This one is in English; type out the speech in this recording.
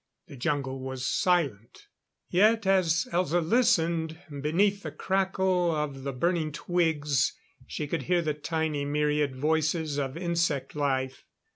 The jungle was silent; yet, as Elza listened, beneath the crackle of the burning twigs she could hear the tiny myriad voices of insect life.